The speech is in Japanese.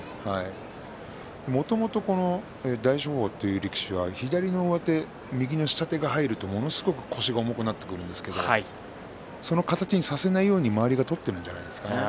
もともと大翔鵬という力士は左の上手を右の下手が入るとものすごく腰が重くなってくるんですけれどその形にさせないように周りが取っているんじゃないでしょうか。